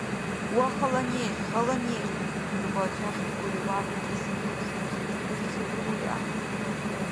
– Ва хала неш! Хала неш! – нургъба чяхӀрикӀули, вяврикӀесрииб Саки. – Раисат руули ахӀен.